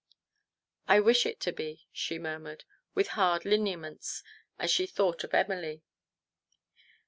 " I wish it to be," she murmured, with hard lineaments, as she thought of Emily.